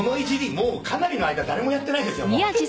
もうかなりの間誰もやってないですよ。